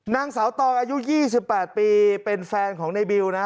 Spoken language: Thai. นางสาวตองอายุ๒๘ปีเป็นแฟนของในบิวนะ